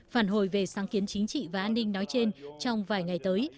phản hồi về sáng kiến chính trị và an ninh nói trên trong vài ngày tới